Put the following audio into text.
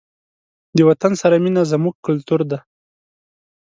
د وطن سره مینه زموږ کلتور دی.